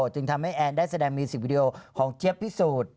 จึงทำให้แอนได้แสดงมิวสิกวิดีโอของเจี๊ยบพิสูจน์